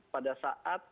pada saat ini